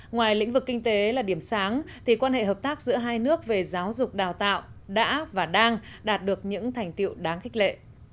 ngoài lĩnh vực kinh tế là điểm sáng thì quan hệ hợp tác giữa hai nước về giáo dục đào tạo đã và đang đạt được những thành tiệu đáng khích lệ